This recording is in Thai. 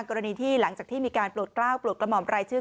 กรณีที่หลังจากที่มีการโปรดกล้าวโปรดกระหม่อมรายชื่อ